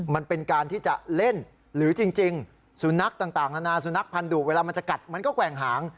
มันเป็นการที่จะเล่นหรือจริงสุนัขต่างนานาสุนัขพันธุเวลามันจะกัดมันก็แกว่งหาง